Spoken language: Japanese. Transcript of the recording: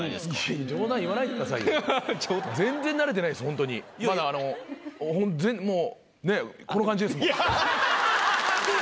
いいですね。